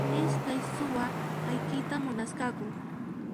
Iskay suwa ayqiyta munasqaku.